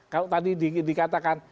kalau tadi dikatakan